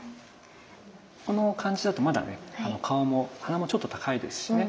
この感じだとまだね鼻もちょっと高いですしね。